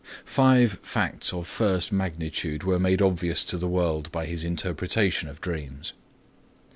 Five facts of first magnitude were made obvious to the world by his interpretation of dreams.